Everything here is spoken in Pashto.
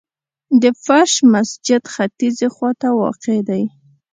د فرش مسجد ختیځي خواته واقع دی.